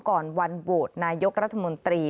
ก่อนวันโหวตนายกรัฐมนตรี